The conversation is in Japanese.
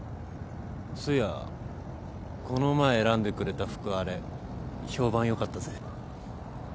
そういやこの前選んでくれた服あれ評判良かったぜ。